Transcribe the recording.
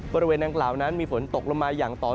บริเวณดังกล่าวนั้นมีฝนตกลงมาอย่างต่อเนื่อง